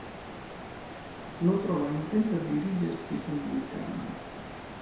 Lo trovano intento a dirigersi su un vulcano.